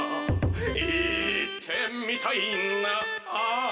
「行ってみたいな」